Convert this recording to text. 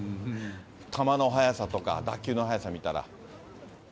球の速さとか、打球の速さ見たら。